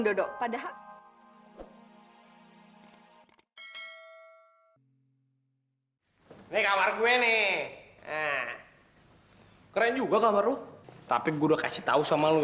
dodo padahal nih kamar gue nih keren juga kamu tapi gua udah kasih tahu sama lo ya